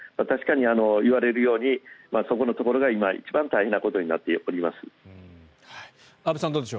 確かに言われるようにそこのところが今一番大変なことになっています。